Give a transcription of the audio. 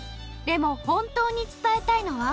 でも本当に伝えたいのは？